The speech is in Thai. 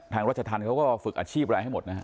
ทางรัชทันเขาก็ฝึกอาชีพอะไรให้หมดนะ